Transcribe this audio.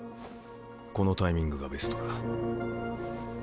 このタイミングがベストだ。